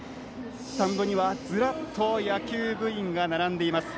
スタンドにはズラッと野球部員が並んでいます。